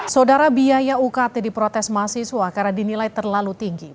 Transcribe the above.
saudara biaya ukt di protes mahasiswa karena dinilai terlalu besar